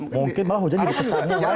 mungkin malah hujan jadi pesatnya